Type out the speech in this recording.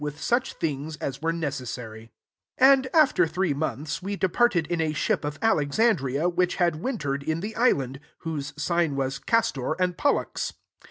with such things as were ne cessary. 11 And, after three months, we departed in a ship of Alex andria, which had wintered in the island; whose sign was Castor and Pollux.